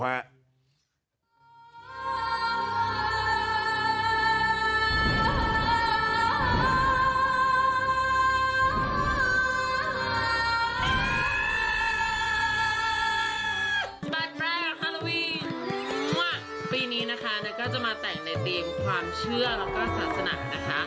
แรกฮาโลวีนปีนี้นะคะนัทก็จะมาแต่งในธีมความเชื่อแล้วก็ศาสนานะคะ